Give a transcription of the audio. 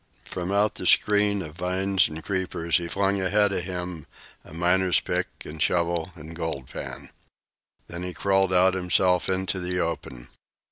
From out the screen of vines and creepers he flung ahead of him a miner's pick and shovel and gold pan. Then he crawled out himself into the open.